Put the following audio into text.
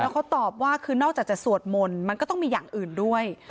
เขาตอบว่าคือนอกจากจะสวดมนต์มันก็ต้องมีอย่างอื่นด้วย